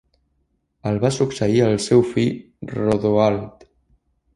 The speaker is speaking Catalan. El va succeir el seu fill Rodoald.